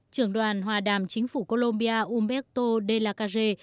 trường đoàn hòa đàm chính phủ colombia humberto de la carre